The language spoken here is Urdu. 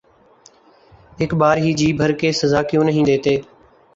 اک بار ہی جی بھر کے سزا کیوں نہیں دیتے